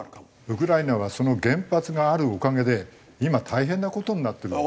ウクライナはその原発があるおかげで今大変な事になってる。